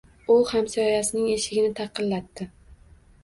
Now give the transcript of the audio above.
U hamsoyasining eshigini taqillatdi.